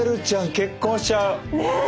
結婚しちゃう。ね！